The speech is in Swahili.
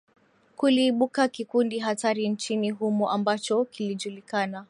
kuliibuka kikundi hatari nchini humo ambacho kilijulikana